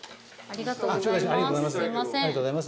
ありがとうございます。